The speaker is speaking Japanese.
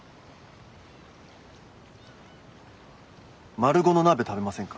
マルゴの鍋食べませんか？